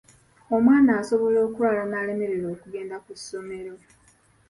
Omwana asobola okulwala n'alemererwa okugenda ku ssomero.